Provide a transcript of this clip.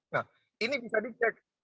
nah ini bisa dicek